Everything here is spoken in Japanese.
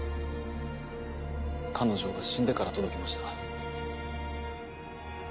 彼女が死んでから届きました。